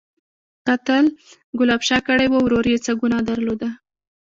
_قتل ګلاب شاه کړی و، ورور يې څه ګناه درلوده؟